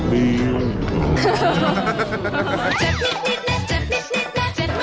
บี้ง